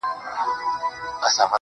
په شوخۍ سره ځلیده.